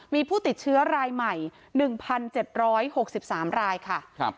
มีผู้ติดเชื้อรายใหม่๑๗๖๓รายค่ะ